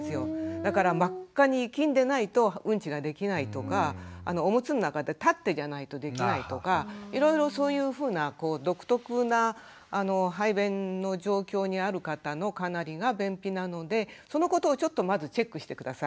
だから真っ赤にいきんでないとうんちができないとかおむつの中で立ってじゃないとできないとかいろいろそういうふうな独特な排便の状況にある方のかなりが便秘なのでそのことをちょっとまずチェックして下さい。